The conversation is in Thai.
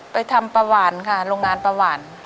ไปทำประหว่านค่ะโรงงานประหว่าน